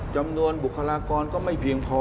จำนวนบุคลากรก็ไม่เพียงพอ